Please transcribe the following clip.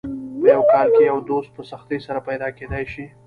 په یو کال کې یو دوست په سختۍ سره پیدا کېدای شي.